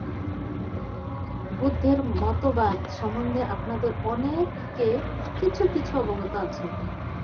বুদ্ধের মতবাদ সম্বন্ধে আপনাদের অনেকে কিছু কিছু অবগত আছেন।